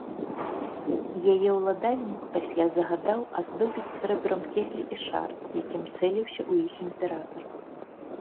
Яе ўладальнік пасля загадаў аздобіць срэбрам кеглі і шар, якім цэліўся ў іх імператар.